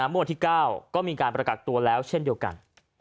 ม๙ก็มีการประกัดตัวแล้วเช่นเดียวกัน